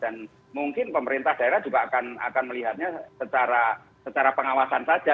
dan mungkin pemerintah daerah juga akan melihatnya secara pengawasan saja